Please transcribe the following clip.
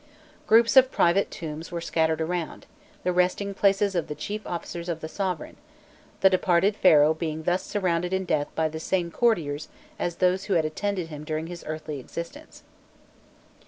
Groups of private tombs were scattered around, the resting places of the chief officers of the sovereign, the departed Pharaoh being thus surrounded in death by the same courtiers as those who had attended him during his earthly existence.